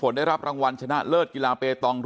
คุณยายบอกว่ารู้สึกเหมือนใครมายืนอยู่ข้างหลัง